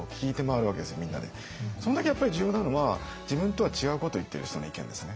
その時やっぱり重要なのは自分とは違うこと言ってる人の意見ですね。